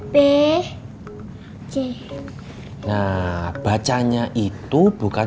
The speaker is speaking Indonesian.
nah bacanya itu bukan